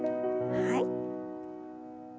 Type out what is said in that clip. はい。